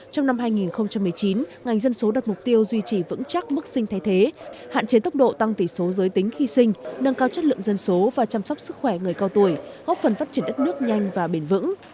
trong năm hai nghìn một mươi chín ngành dân số đặt mục tiêu duy trì vững chắc mức sinh thay thế hạn chế tốc độ tăng tỷ số giới tính khi sinh nâng cao chất lượng dân số và chăm sóc sức khỏe người cao tuổi góp phần phát triển đất nước nhanh và bền vững